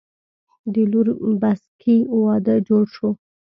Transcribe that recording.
د لور بسکي وادۀ جوړ شو